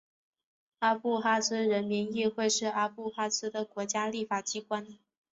阿布哈兹人民议会是阿布哈兹的国家立法机关。